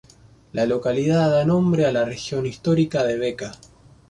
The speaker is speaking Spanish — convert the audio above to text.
La localidad da nombre a la región histórica de Bačka.